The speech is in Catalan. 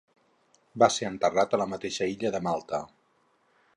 Va ser enterrat a la mateixa illa de Malta.